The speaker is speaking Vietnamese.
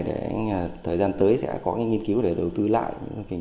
để thời gian tới sẽ có nghiên cứu để đầu tư lại